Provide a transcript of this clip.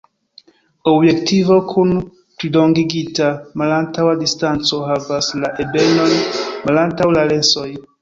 Objektivo kun plilongigita malantaŭa distanco havas la ebenon malantaŭ la lensoj.